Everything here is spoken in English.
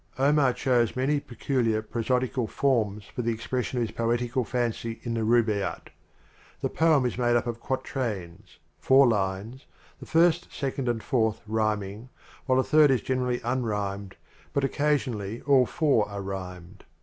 Omar chose many peculiar prosodical forms for the expression of his poetical fancy in the Rubai yat. The poem is made up of quatrains — four lines — the first, second, and fourth rhyming, while the third is generally unrhymed, but oc casionally all four are rhymed.